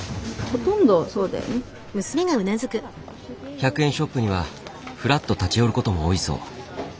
１００円ショップにはふらっと立ち寄ることも多いそう。